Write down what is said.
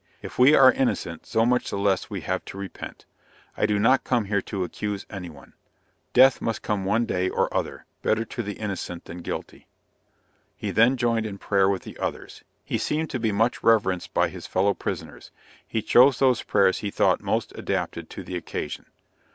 If we are innocent, so much the less we have to repent. I do not come here to accuse any one. Death must come one day or other; better to the innocent than guilty." He then joined in prayer with the others. He seemed to be much reverenced by his fellow prisoners. He chose those prayers he thought most adapted to the occasion.